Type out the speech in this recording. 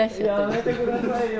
やめて下さいよ。